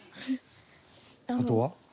あとは？